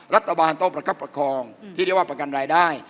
รัฐบาลต้องประคับประคองที่เรียกว่าประกันรายได้